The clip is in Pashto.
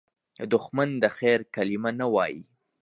دښمن د خیر کلمه نه وايي